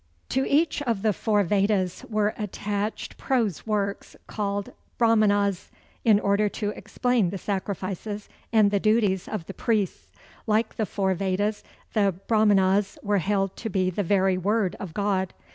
To each of the four Vedas were attached prose works, called Brahmanas, in order to explain the sacrifices and the duties of the priests. Like the Four Vedas, the Brahmanas were held to be the very word of God.